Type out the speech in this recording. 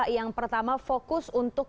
yang pertama fokus untuk